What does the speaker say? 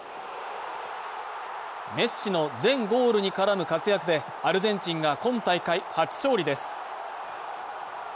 メッシの全ゴールに絡む活躍でアルゼンチンが今大会初勝利です。